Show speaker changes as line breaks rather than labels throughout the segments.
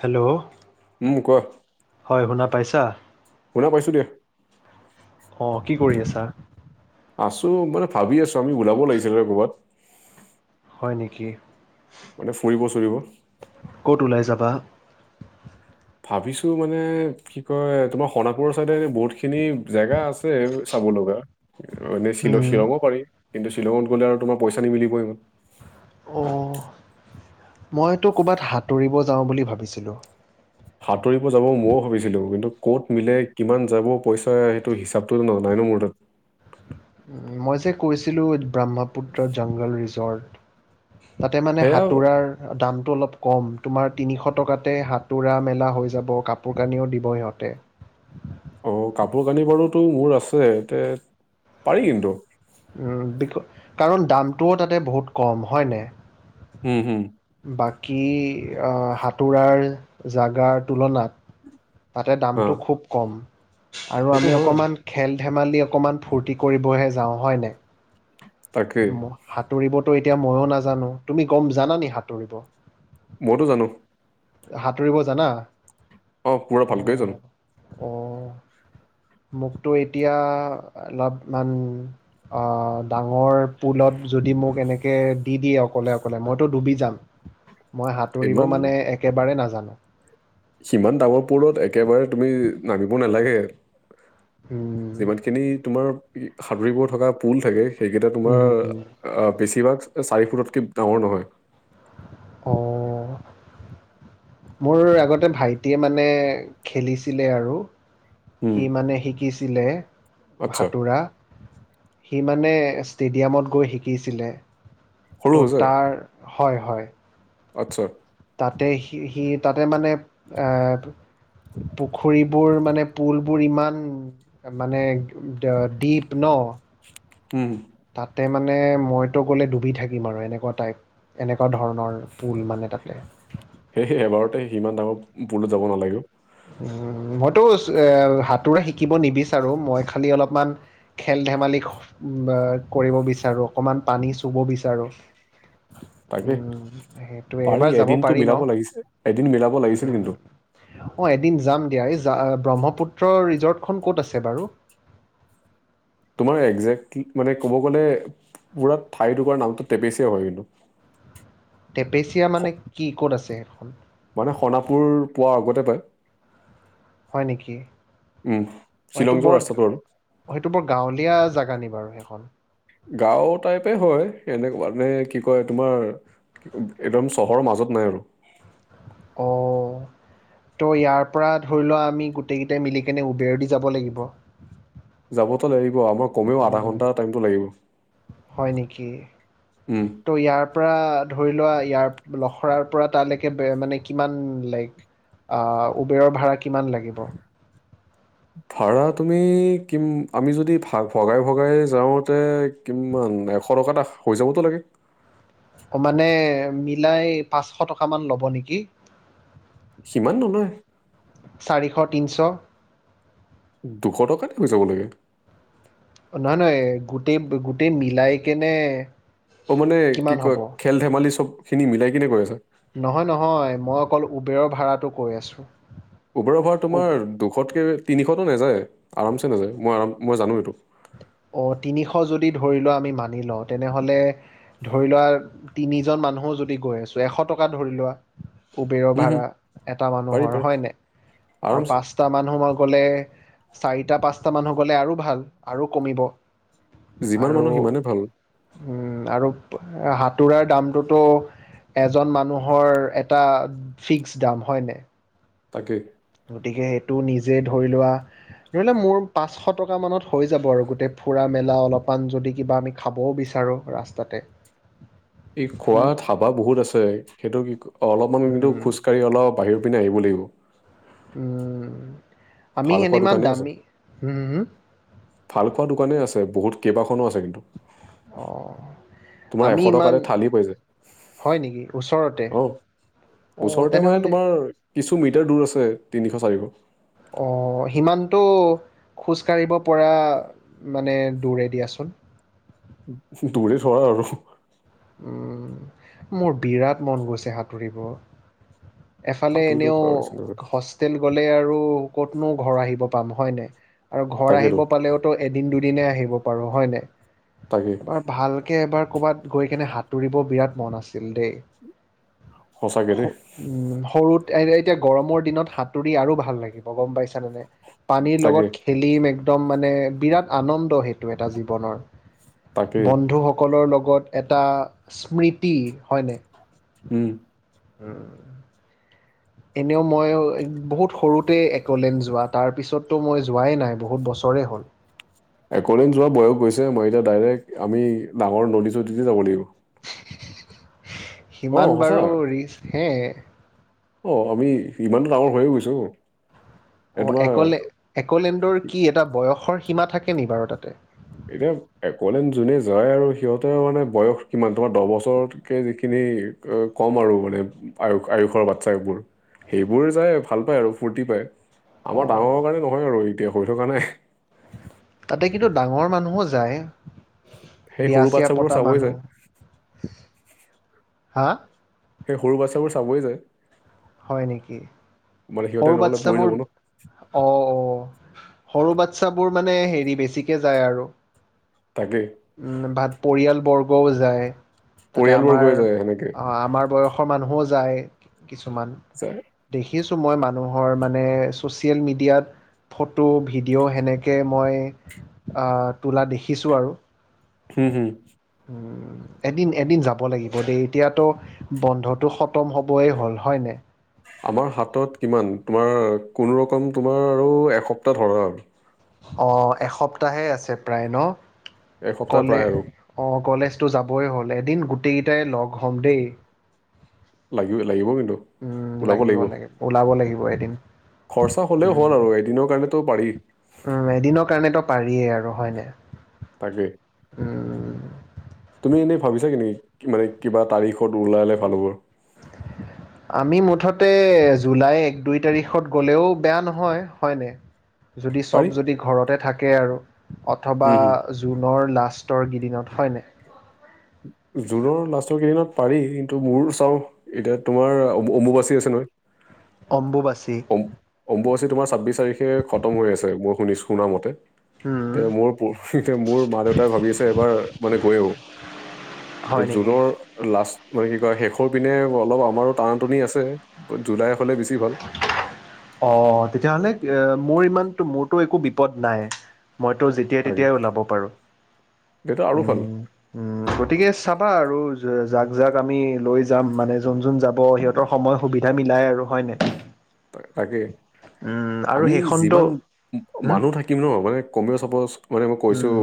Hello.
উম, কোৱা
পঢ় শুনা পাইছা।
শুনা পাইছো দিয়া।
অ কি কৰি আছা।
আছো মানে ভাবি আছো আমি ওলাব লাগিছিলে ক'বাত।
হয় নেকি।
মানে ফুৰিব চুৰিব।
ক'ত ওলাই যাবা
ভাবিছো মানে কি কয় তোমাৰ সণাপুৰৰ চাইদে বহুত। খিনি জেগা আছে চাব লগা এনে শিল
উম,
শ্বিলঙো পাৰি। কিন্তু শ্বিলঙত গ'লে আৰু তোমাৰ পইচা নিমিলিব ইমান।
অ মইতো ক'ৰবাত সাঁতুৰিব যাওঁ বুলি ভাবিছিলোঁ।
সাঁতুৰিব যাব ময়ও ভাবিছিলো কিন্তু কত মিলে কিমান যাব পইচা সেইটো হিচাপটো ন। মোৰ টাটা।
মই যে কৈছিলোঁ ব্ৰহ্মপুত্ৰ জংঘল ৰিজৰ্ট। তাতে মানে
সেয়া
সাতোৰাৰ দাম। অলপ কম তোমাৰ তিনিশ টকাতে সাতোৰা মেলা হৈ যাব কাপোৰ কানিও দিব সিহঁতে। [unintelligible]
অ কাপোৰ কানি বাৰুতো মোৰ আছে এ পাৰি কিন্তু।
উম কাৰণ দামটোও তাতে বহুত কম হয়নে।
উম হম।
বাকী সাতোৰাৰ জাগাৰ তুলনাত। তাতে
হা
দামটো খুব কম আৰু
সেইটো
আমি
হয়
অকণমান খেল। ধেমালি অকণমান ফূৰ্তি কৰিবহে যাওঁ হয়নে
তাকে
সাঁতুৰিবতো এতিয়া ময়ো নাজানো তুমি গম জানানে সাঁতুৰিব
মইতো জানো
সাঁতুৰিব জানা
অ পুৰা ভালকৈ
অ',
জানো।
অ মোকতো এতিয়া অলপ ইমান ডাঙৰ পুলত যদি মোক এনেকে দি দিয়ে অকলে অকলে মইতো ডুবি যাম মই সাঁতুৰিব
ইমান
মানে একেবাৰে নাজানো।
সিমান ডাঙৰ পলত একেবাৰে তুমি নামিব নালাগে
উম,
যিমান খিনি তোমাৰ সাদৰিব থকা পুল থাকে সেইকেইটা তোমাৰ
উম, উম,
বেছিভাগ চাৰি ফুটতকৈ ডাঙৰ নহয়।
অ মোৰ আগতে ভাইটিয়ে মানে খেলিছিলে আৰু
উম
সি মানে শিকিছিলে
আচ্ছা
সাতোৰা সি মানে ষ্টেডিয়ামত গৈ শিকিছিলে
সৰু
ত' তাৰ। হয় হয়।
আত্ছা।
তাতে সি সি তাতে মানে। পুখুৰীবোৰ মানে পুলবোৰ ইমান মানে ডীপ ন। অ।
উম।
তাতে মানে মইতো গ'লে ডুবি থাকিম আৰু এনেকুৱা টাইপ এনেকুৱা ধৰণৰ। পুল মানে তাতে
সেই এবাৰতে সিমান ডাঙৰ বুলত যাব নালাগে।
উম। মইতো এ সাতোৰ শিকিব নিবিচাৰো মই খালি অলপমান খেল ধেমালি বা কৰিব বিচাৰো অকমান পানী চুব বিচাৰো?
তাকে
উম সেইটোয়ে
পাৰি
এবাৰ যাব
এদিনতো
পাৰি
মিলাব
ন?
লাগিছে এদিন মিলাব লাগিছিল
উম।
কিন্তু
অ এদিন। যাম দা ব্ৰহ্মপুত্ৰ ৰিজৰ্টখন ক'ত আছে বাৰু।
তোমাৰ একজেক্টলি মানে ক'ব গ'লে মুৰা ঠাই টোকোৰা নামটো টেপেচ হয় কিন্তু।
টেপেচিয়া মানে
স-
কি ক'ত আছে সেইখন?
মানে সণাপুৰ পোৱাৰ আগতে পায়।
হয় নেকি
উম শ্বিলং
সেইটো
যোৱা
বৰ
ৰাস্তাটো আৰু
সেইটো বৰ গাঁৱলীয়া জোগা নেকি? বাৰু সেইখন।
গাঁও টাইপে হয় এনেক মানে কি কয় তোমাৰ। একদম চহৰৰ মাজত নাই আৰু।
অহঁ। ত' ইয়াৰ পৰা ধৰি লোৱা আমি গোটেইকেইটাই মিলিকেনে উবেৰ দি যাব লাগিব?
যাবতো লাগিব আমাৰ কমেও আধা ঘ
উম
টাইমটো লাগিব।
হয় নেকি?
উম
ত' ইয়াৰ পৰা ধৰি লোৱা ইয়াৰ লখৰাৰ পৰা তালৈকে মানে কিমান লাইক আহ উবেৰৰ ভাড়া কিমান লাগিব।
ধৰা তুমি কিম আমি যদি ভ ভগাই ভগাই যাওঁতে কিম। উ এশ টকা এটা হৈ যাবতো লাগে।
মানে মিলাই পাঁচশ টকামান ল'ব নেকি?
সিমান নহয়
চাৰিশ তিনিশ।
দুশ টকাতে হৈ যাব লাগে।
নহয় নহয় গোটেই গোটেই মিলাই কেনে
অ মানে কি
কিমান হ'ব
কয় খেল ধেমালি চব খিনি মিলাই কিনে কৰি আছা।
নহয় নহয় মই অকল উবেৰৰ ভাড়াটো কৈ আছো।
উবেৰ অ ভাৰ তোমাৰ দুশতকে তিনিশতো নাযায় আৰামছে নাযায় মই আৰাম। মই জানো এইটো।
অ তিনিশ যদি ধৰি লোৱা আমি মানি লওঁ তেনেহলে ধৰি লোৱা তিনিজন মানুহো যদি গৈ আছো এশ টকা ধৰি লোৱা উবেৰৰ
হম হম
ভাড়া এটা
পাৰি
মানুহৰ
পাৰি
হয় ন আৰু
আৰামছে
পাঁচটা মানুহ মই। গলে চাৰিটা পাঁচটা মানুহ গলে আৰু ভাল আৰু কমিব।
যিমান
আৰু
মানুহ সিমানেই ভাল
উম আৰু হাত সতোৰাৰ দামটোতো। এজন মানুহৰ এটা ফিক্স দাম হয়নে।
তাকে।
টো নিজে ধৰি লোৱা ধৰি ললে মোৰ পাঁচশ টকা মানত হৈ যাব আৰু গোটেই ফুৰা মেলা অলপমান যদি কিবা আমি খাবও বিচাৰো? আৰু ৰাস্তাতে।
এই
উম,
খোৱাত হাবা বহুত আছে সেইটো কি অলপমান কিন্তু
উম,
খোজ কাঢ়ি অলপ বাহিৰ পিনে আহিব লাগিব
উম আমি
ভাল খোৱা
সেনেমান
দোকানেই
দামী হম।
ভালপোৱা দোকানেই আছে বহুত কেইবাখনো আছে কিন্তু।
অ
তোমাৰ এশ টকাৰে থালি পাই যায়।
হয় নেকি ওচৰতে
অ
অঁ
ওচৰতে মানে
তেনেহ'লে
তোমাৰ কিছু মিটাৰ দূৰ আছে। তিনিশ চাৰিশ
অ সিমানটো খোজকাঢ়িব পৰা মানে দূৰে দিয়াচোন। হয়
দূৰে ধৰা আৰু
উম মোৰ বিৰাট মন গৈছে সাঁতুৰিব। এফালে
সাঁতুৰিটো
এনেও
পাৰ
হোষ্টেল গলে আৰু ক'তনো ঘৰ আহিব পাম হয় নে। আৰু ঘৰ
তাকেইতো
আহিব পালেওতো এদিন দুদিনে আহিব পাৰো হয় নে।
তাকেই
এবাৰ ভালকে এবাৰ ক'ৰবাত গৈ কিনে সাঁতুৰিব বিৰাট মন আছিল দেই।
সঁচাকে দেই।
স- উম, সৰুত এতিয়া গৰমৰ দিনত সাঁতুৰি আৰু ভাল লাগিব গম পাইছানে নাই। পানীৰ
তাকে
লগত খেলিম একদম মানে বিৰাট আনন্দ সেইটো এটা জীৱনৰ
তাকেই
বন্ধু সকলৰ লগত এটা স্মৃতি হয়নে।
উম
উম এনেও মই বহুত সৰুতে একলেন যোৱা তাৰ পিছততো মই যোৱাই নাই বহুত বছৰ। ৰে হ'ল
একলেন যোৱা বয়স গৈছে মই এতিয়া ডাইৰেক্ট আমি ডাঙৰ নদী চদীতে যাব লাগিব। অ
সিমান
সঁচা
বাৰু ৰিস্ক হে
অ আমি ইমানটো ডাঙৰ হৈয়ে গৈছো। এই তোমাৰ
অলে একলেণ্ডৰ কি এটা বয়সৰ সীমা থাকে নি বাৰু তাতে।
এতিয়া একলেন যোনে যায় আৰু সিহঁতেৰ মানে বয়স কিমান তোমাৰ দহ বছৰতকে যিখিনি কম আৰু মানে আয়স আয়ুসৰ বাচ্ছবোৰ সেইবোৰ যাই ভাল পায় আৰু ফূৰ্তি পাই
অ
আমাৰ ডাঙৰৰ কাৰণে নহয় আৰু এতিয়া হৈ থকা নাই।
তাতে কিন্তু ডাঙৰ মানুহো যায়।
সেই সৰু
বিয়াচিয়া
বাচ্ছাবোৰ
পতা
চাবই যায়
মানুহ হা।
সেই সৰু বাচ্ছাবোৰ চাবই যায়।
হয় নেকি
মানে সিহঁতে
সৰু
নহ'লে পৰি
বাচ্ছাবোৰ
যাব ন
অ অ। সৰু বাচ্ছাবোৰ মানে হেৰি বেছিকে যায় আৰু
তাকে
উম ভাত পৰিয়াল বৰ্গও যায়। তাতে
পৰিয়ালবোৰ
আমাৰ
গৈ যায় সেনেকে
আমাৰ বয়সৰ মানুহও যায়। কিছুমান
যায়
দেখি আছো মই মা মানুহৰ মানে ছ'চিয়েল মিডিয়াত ফটো, ভিডিঅ' সেনেকৈ মই আহ তোলা দেখিছো আৰু।
হু, হু।
এদিন, এদিন যাব লাগিব দেই এতিয়াতো বন্ধটো খতম হ'বই হ'ল হয় নে?
আমাৰ হাতত কিমান তোমাৰ কোনোৰকম তোমাৰ আৰু এসপ্তাহ ধৰা।
অ এসপ্তাহে আছে প্ৰায় ন।
এসপ্তাহ
কলে
প্ৰায় আৰু
অ কলেজ টো যাবই হ'ল। এদিন গোটেইকেইটাই লগ হ'ম দেই।
লাগিব, লাগিব।
উম
ওলাব
লাগিব, লাগিব। ওলাব লাগিব এদিন।
খৰচা হ'লেও হ'ল
উম,
আৰু এদিনৰ কাৰণেতো পাৰি।
পাৰিয়ে আৰু হয়নে।
তাকে।
উম।
তুমি এনে ভাবিছা নেকি মানে কিবা তাৰিখত ওলালে ভাল হব?
[inaudible] আমি মুঠতে জুলাই এক, দুই তাৰিখত গ'লেও বেয়া নহয়, হয়নে । যদি
পাৰি
চব যদি ঘৰতে থাকে আৰু অথবা
হম হম
জুনৰ লাষ্টৰ কিদিনত হয় নাই?
জুনৰ লাষ্টৰ কেইদিনত পাৰি। কিন্তু মোৰ চাও এতিয়া তোমাৰ অমবুবাচী আছে নহয়।
অম্বুবাচী।
অম- অম্বুবাচী তোমাৰ ছাব্বিছ তাৰিখে খতম হৈ আছে। মই শুনিছ শুনা মতে।
উম
এতিয়া মোৰ [unintelligible] মোৰ মা দেউতাই ভাবি আছে এবাৰ মানে গৈ আহোঁ।
হয়
এতিয়া
নেকি
জুনৰ লাষ্ট মানে কি কয় শেষৰ পিনে অলপ আমাৰো টানা টুনি আছে। জুলাই হ'লে বেছি ভাল
অ তেতিয়াহ'লে এ মোৰ ইমানটো মোৰতো একো বিপদ নাই । মইতো যেতিয়াই
তাকে
তেতিয়াই ওলাব পাৰো।
তেতিয়া আৰু
উ
ভাল
গতিকে চা চাবা আৰু যাক যাক আমি লৈ যাম মানে যোন যোন যাব সিহঁতৰ সময় সুবিধা মিলাই আৰু হয়নে?
তাকে।
উম আৰু
আমি
সেইখনতো
যিমান
হম
মানুহ থাকিম ন মানে কমে চাপচ মানে মই কৈছো
উম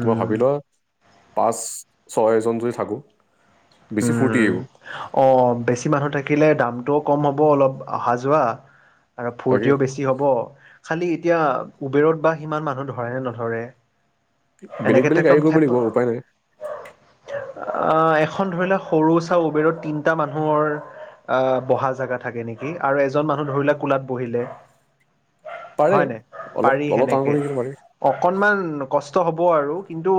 তোমাক ভাবি লোৱা পাঁচ, ছয় জন যদি থাকোঁ বেছি ফূৰ্তি
উম,
আহিব
অ বেছি মানুহ থাকিলে দাম টোও কম হ'ব। অলপ আহা যোৱা আৰু
তাকে
ফূৰ্তিও বেছি হ'ব। খালি এতিয়া উবেৰত বা সিমান মানুহ ধৰে নে নধৰে?
বেলেগ
এনেকে
বেলেগ গাড়ী
একদম
কৰিব
ঠেপ
লাগিব। উপায় নাই।
আ এখন ধৰিলেও সৰু চা উবেৰত তিনিটা মানুহৰ আহ বহা জাগা থাকে নেকি? আৰু এজন মানুহ ধৰিলে কোলাত বহিলে।
পাৰে
হয় নে?
অলপ
পাৰি
অলপ টান
সেনেকে।
কৰি কিন্তু পাৰি
অকনমান কছ টো হ'ব আৰু কিন্তু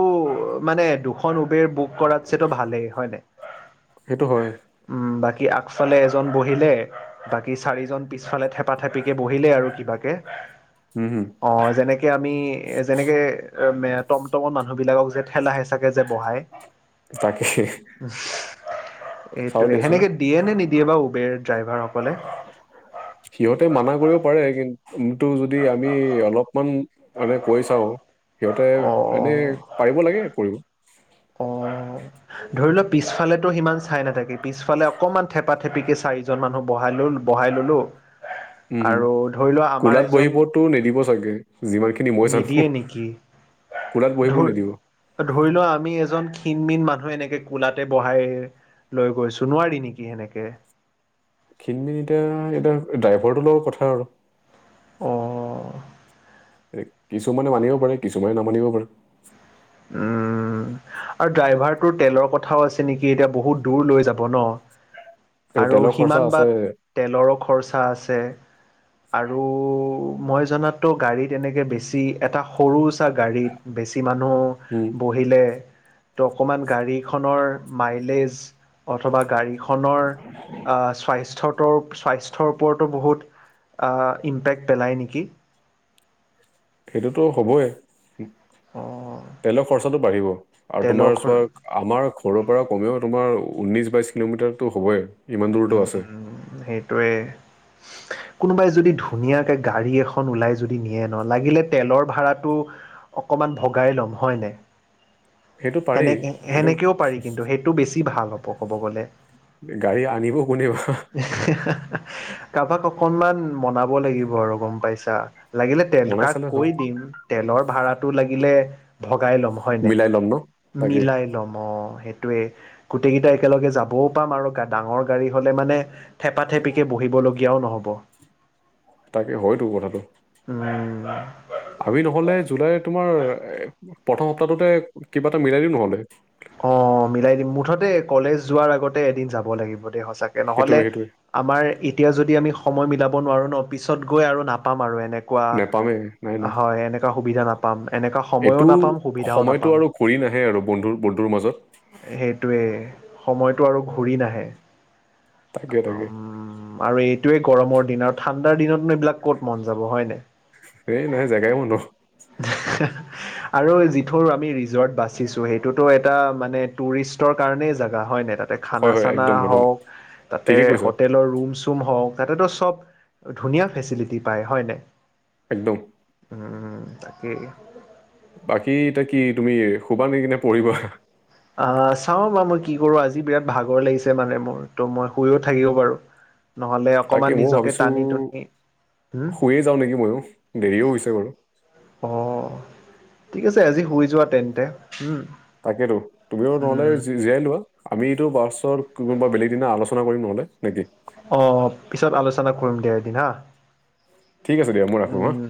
মানে দুখন উবেৰ বুক কৰাতছে তো ভালেই হয় নে।
সেইটো হয়।
কি আগফালে এজন বহিলে বাকী চাৰিজন পিছফালে থেপাথেপিকে বহিলে আৰু কিবাকে।
হম হম
অ যেনেকে আমি যেনেকে অ ম টমটমৰ মানুহ বিলাকক যে ঠেলা হেঁচাকে যে বহাই
তাকে। চাওঁ
এইটোৱে।
দেচোন
সেনেকে দিয়ে নে নিদিয়ে বা ওবেৰ ড্ৰাইভাৰক?
সিহঁতে মানা কৰি পাৰে কিন্তু যদি আমি অলপমান মানে কৈ চাওঁ। সিহঁতে
অ
এনে পাৰিব লাগে কৰিব।
অ অ ধৰি লও পিছফালেতো সিমান চাই নাথাকে পিছফালে অকণমান থেপা থেপিক কে চাৰিজন মানুহ বহাই লৈ । [unintelligible] বহাই ললো
হম হম
আৰু ধৰি লোৱা আমাৰ
কোলাত
এজন।
বহিবতো নিদিব চাগে যিমানখিনি মই জানো
নিদিয়ে নেকি
কোলাত বহিব নিদিব
ধৰি ধৰি লোৱা আমি এজন কিন মিন মানুহে এনেকে কোলাতে বহাই লৈ গৈছো নোৱাৰি নেকি সেনেকে [unintelligible]
খিনমিন এতিয়া এতিয়া ড্ৰাইভাৰটো লগৰ কথা আৰু [unintelligible]
অঁ
কিছুমানে মানিব পাৰে কিছুমানে নামানিব পাৰে ।
উম । আৰু ড্ৰাইভাৰটোৰ তেলৰ কথাও আছে নেকি এতিয়া বহুত দূৰ লৈ যাব ন
এ
। আৰু
তেলৰ খৰচা
সিমান
আছে
বাট তেলৰো খৰচা আছে । আৰু । মই জনাততো গাড়ীত এনেকে বেছি এটা সৰুচ গাড়ীত বেছি মানুহ [unintelligible]
উম
বহিলে ত অকমান গাড়ীখনৰ মাইলেজ অথবা গাড়ী । [unintelligible] তোমাৰ অ স্বাস্থ্য [unintelligible] স্বাস্থ স্বাস্থ্যৰ ওপৰতো বহুত ইম্পেক্ট পেলায় নেকি [inaudible]
সেইটোতো হ'বই
অঁ
তেলৰ খৰচাটো বাঢ়িব আৰু
তেলৰ
তোমাৰ
খৰ
চোৱা আমাৰ ঘৰৰ পৰা কমেও তোমাৰ ঊনৈশ বাইশ কিলোমিটাৰতো হ'বই ইমান দূৰতো
উম
আছে
সেইটোয়ে কোনোবাই যদি ধুনীয়াকৈ গাড়ী এখন ওলাই যদি নিয়ে ন লাগিলে তেলৰ ভাড়াটো অকমান ভগাই ল'ম হয়নে
সেইটো পাৰি
সেনে
কিন্তু
সেনেকেও পাৰি কিন্তু সেইটো বেছি ভাল হ'ব ক'ব গলে
গাড়ী আনিব কোনে বা
হি হা হা [unintelligible] কাৰোবাক অকনমান মনাব লাগিব আৰু গম পাইছা লাগিলে তেল
বনাই
কাক
চালে হ'ল
কৈ দিম তেলৰ ভাড়াটো লাগিলে মিলাই লম হয় নাই
মিলাই ল'ম ন তাকে
মিলাই লম অ অঁ সেইটোৱেই গোটেইকেইটা একেলগে যাবও পাম আৰু ডাঙৰ গাড়ী হ'লে মানে থেপা থেপ [unintelligible] পিকে বহিবলগীয়াও নহ'ব [unintelligible]
তাকে হয়তো কথাটো
উম।
আমি নহলে জুলাইত তোমাৰ প্ৰথম সপ্তাহটোতে কিবা এটা মিলাই দিওঁ নহলে [unintelligible]
অ মিলাই দিম মুঠতে কলেজ যোৱাৰ আগতে এদিন যাব লাগিব দে সঁচাকে নহলে
সেইটোৱে সেইটোৱে
আমাৰ এতিয়া যদি আমি সময় মিলাব নোৱাৰো ন পিছত গৈ আৰু নাপাম আৰু এনেকুৱা
নেপামে নাই নাই
হয় এনেকোৱা সুবিধা নাপাম এনেকুৱা
এইটো
সময়ও নাপাম সুবিধাও
সময়টো
নাপাম
আৰু ঘূৰি নাহে আৰু বন্ধুৰ বন্ধুৰ মাজত
সেইটোৱে সময়টো আৰু ঘূৰি নাহে
তাকে তাকে
উম আৰু এই এইোৱে গৰমৰ দিন আৰু ঠাণ্ডাৰ দিনতনো এইবিলাক ক'ত মন যাব হয় নাই
এই নাই জেগাই বন্ধ [unintelligible]
আৰু যিটো আমি ৰিজৰ্ট বাচিছো সেইটোতো এটা মানে টুৰিষ্টৰ কাৰণে জাগা হয় ন [unintelligible] তাতে
হয়
খানা
হয়
চানা
একদম একদম
হওক তাতে
ঠিকে কৈছা
হোটেলৰ ৰুম চুম হওক তাতেতো ধুনীয়া ফেচিটি পায় হয় নাই [unintelligible]
একদম
তাকে
বাকী এতিয়া কি তুমি শুবা নি কিনে পঢ়িবা
আহ চাও বা মই কি কৰো আজি বিৰাট ভাগৰ লাগিছে মানে মোৰ ত' মই শুইও থাকিব পাৰু [unintelligible] নহলে
তাকে
অকমান
ময়ো
নিজকে
ভাবিছো
টানি টুনি হুম
শুয়ে যাওঁ নেকি ময়ো দেৰিও হৈছে বাৰু
অ ঠিক আছে আজি শুই যোৱা তেন্তে উম,
তাকেতো তুমিও নহলে
উম,
জীয়াই লোৱা আমিতটো বাছত কোনোবা বেলেগ দিনা আলোচনা কৰিম নহলে নে কি
অহ, পিছত আলোচনা কৰিম দিয়া এদিন হা
ঠিক আছে দিয়া মই ৰাখো হা।
উম,